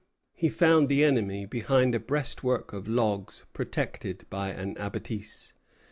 He found the enemy behind a breastwork of logs protected by an abattis.